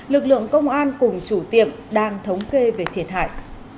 lực lượng công an cùng chủ tiệm đang thống kê về thiệt hại